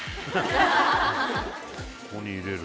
ここに入れる？